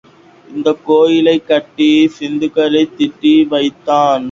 இந்தக் கோயிலைக் கட்டி சித்திரங்களை தீட்டி வைத்தான்.